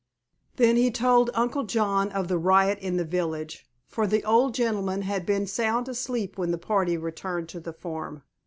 Then he told Uncle John of the riot in the village, for the old gentleman had been sound asleep when the party returned to the farm.